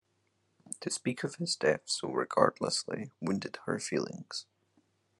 To speak of his death so regardlessly wounded her feelings.